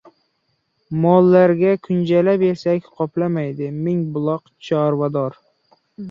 Mollarga kunjara bersak qoplamaydi - Mingbuloqlik chorvador